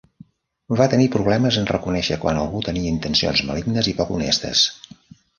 Va tenir problemes en reconèixer quan algú tenia intencions malignes i poc honestes.